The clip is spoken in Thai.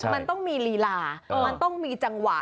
มันต้องมีลีลามันต้องมีจังหวะ